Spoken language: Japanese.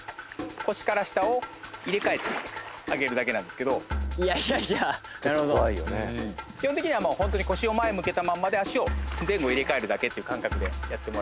腰から下を入れ替えてあげるだけなんですけどいやいやいやなるほど基本的には腰を前向けたまんまで足を前後入れ替えるだけっていう感覚でやってもらえれば